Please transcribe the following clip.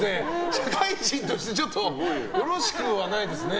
社会人としてちょっとよろしくはないですね。